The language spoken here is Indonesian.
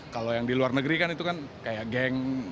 kalau yang di luar negeri kan itu kan kayak geng